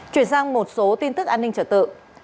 chuyển sang một số tin tức an ninh trở tự